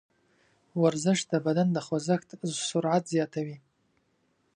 ورزش د بدن د خوځښت سرعت زیاتوي.